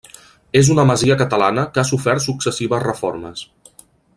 És una masia catalana que ha sofert successives reformes.